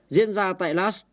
diễn ra tại las